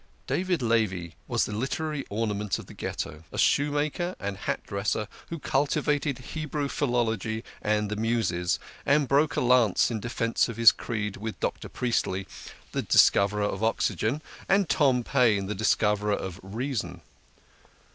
David Levi was the literary ornament of the Ghetto ; a shoe maker and hat dresser who cultivated Hebrew philology and the Muses, and broke a lance in defence of his creed with Dr. Priestley, the discoverer of Oxygen, and Tom Paine, the discoverer of Reason.